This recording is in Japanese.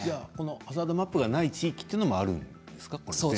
ハザードマップがまだない地域もあるんですか？